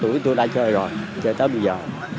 sáu tuổi tôi đã chơi rồi chơi tới bây giờ